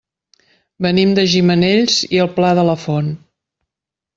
Venim de Gimenells i el Pla de la Font.